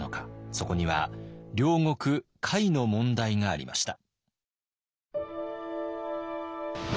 そこには領国甲斐の問題がありました。